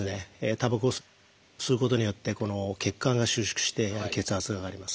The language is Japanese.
たばこを吸うことによって血管が収縮して血圧が上がります。